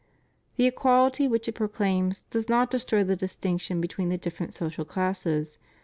The equality which it proclaims does not destroy the distinction between the different social classes.